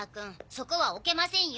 そこは置けませんよ。